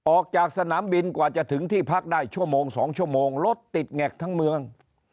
ออกจากสนามบินกว่าจะถึงที่พักได้ชั่วโมง๒ชั่วโมงรถติดแงกทั้งเมือง